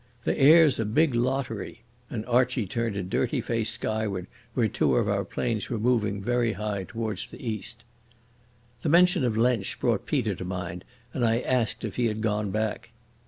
The air's a big lottery," and Archie turned a dirty face skyward where two of our planes were moving very high towards the east. The mention of Lensch brought Peter to mind, and I asked if he had gone back.